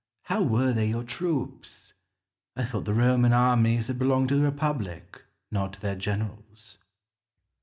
How were they your troops? I thought the Roman armies had belonged to the Republic, not to their generals.